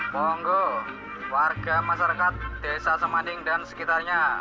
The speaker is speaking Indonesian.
monggo warga masyarakat desa semanding dan sekitarnya